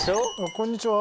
こんにちは。